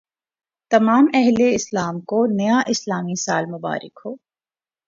تمام اہل اسلام کو نیا اسلامی سال مبارک ہو